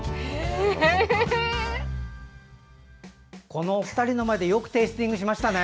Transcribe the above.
このお二人の前でよくテイスティングしましたね。